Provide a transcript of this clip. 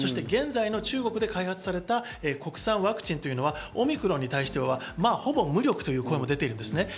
現在の中国で開発された国産ワクチンというのはオミクロンに対してはほぼ無力という声も出ています。